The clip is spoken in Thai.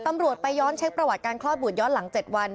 ตำรวจไปย้อนเช็คประวัติการคลอดบุตรย้อนหลัง๗วัน